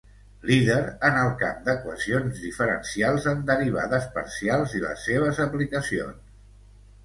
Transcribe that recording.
Líder en el camp d'equacions diferencials en derivades parcials i les seves aplicacions.